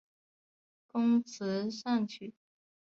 工词善曲。